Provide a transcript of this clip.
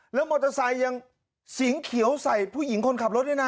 แล้วมอเตอร์ไซค์ยังสีเขียวใส่ผู้หญิงคนขับรถด้วยนะ